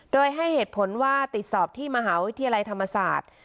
โดยให้เหตุผลว่าติดสอบที่มหาวิทยาลัยธรรมศาสตร์